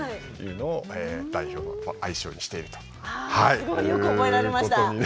すごいよく覚えられました。